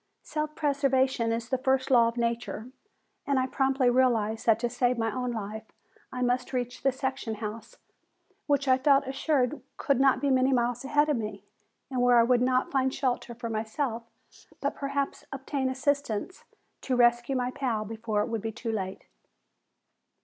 Self preservation is the first law of nature, and I promptly realized that to save my own life I must reach the section house, which I felt assured could not be many miles ahead of me, and where I would not only find shelter for myself, but perhaps obtain assistance to rescue my pal before it would be too late.